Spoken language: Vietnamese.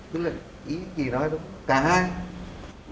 tức là ý chị nói đúng không cả hai